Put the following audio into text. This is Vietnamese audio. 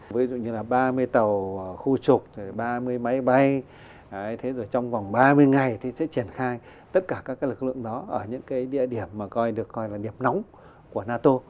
ví dụ như là ba mươi tàu khu trục ba mươi máy bay trong vòng ba mươi ngày sẽ triển khai tất cả các lực lượng đó ở những địa điểm được coi là điểm nóng của nato